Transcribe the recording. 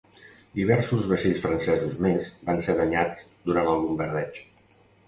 Diversos vaixells francesos més van ser danyats durant el bombardeig.